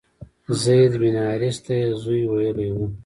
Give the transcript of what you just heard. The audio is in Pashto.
زید بن حارثه ته یې زوی ویلي و.